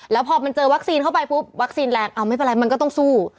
แล้วพอมันเจอวัคซีนเข้าไปปุ๊บวัคซีนแรงเอาไม่เป็นไรมันก็ต้องสู้